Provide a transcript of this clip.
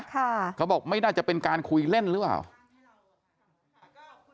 เขาบอกไม่น่าจะเป็นการคุยเล่นหรือเปล่า